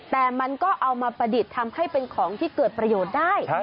แต่มันก็เอามาประดิษฐ์ทำให้เป็นของที่เกิดประโยชน์ได้